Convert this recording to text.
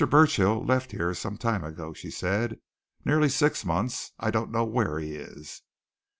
Burchill left here some time ago," she said. "Nearly six months. I don't know where he is."